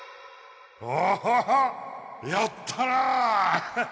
おおっやったな